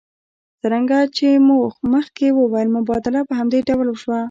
څرنګه مو چې مخکې وویل مبادله په همدې ډول وشوه